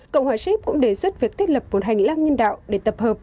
cộng hòa ship cũng đề xuất việc thiết lập một hành lang nhân đạo để tập hợp